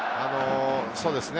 そうですね。